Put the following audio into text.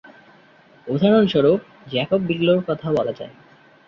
উদাহরণ স্বরূপ জ্যকব বিগ্লো’র কথা বলা যায়।